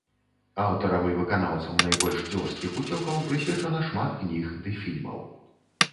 Аўтарам і выканаўцам найбольш дзёрзкіх уцёкаў прысвечана шмат кніг ды фільмаў.